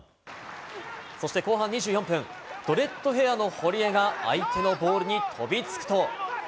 そして後半２４分、ドレッドヘアの堀江が相手のボールに飛びつくと。